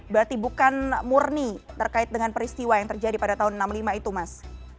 berarti bukan murni terkait dengan peristiwa yang terjadi pada tahun seribu sembilan ratus enam puluh lima itu mas